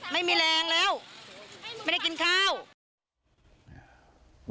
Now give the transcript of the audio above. ไม่มีแรงแล้วไม่ได้กินข้าว